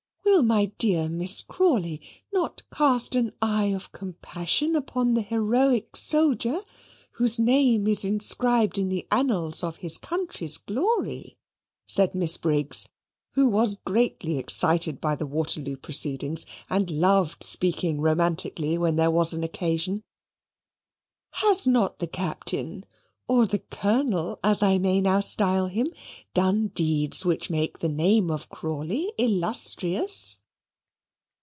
"Will my dear Miss Crawley not cast an eye of compassion upon the heroic soldier, whose name is inscribed in the annals of his country's glory?" said Miss Briggs, who was greatly excited by the Waterloo proceedings, and loved speaking romantically when there was an occasion. "Has not the Captain or the Colonel as I may now style him done deeds which make the name of Crawley illustrious?"